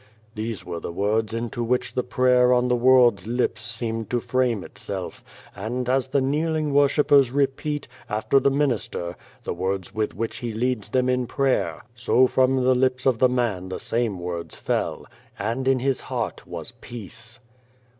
These were the words into which the prayer on the world's lips Beyond the Door seemed to frame itself; and, as the kneeling worshippers repeat, after the minister, the words with which he leads them in prayer, so from the lips of the man the same words fell. And in his heart was peace.